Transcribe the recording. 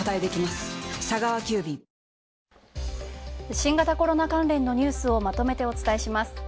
新型コロナ関連のニュースをまとめてお伝えします。